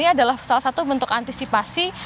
ini adalah salah satu bentuk antisipasi